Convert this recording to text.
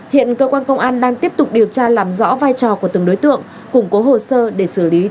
hiện cơ quan công an đang tiếp tục điều tra làm rõ vai trò của từng đối tượng củng cố hồ sơ để xử lý theo quy định của pháp luật